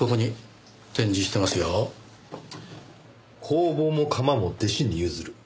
「工房も窯も弟子に譲る」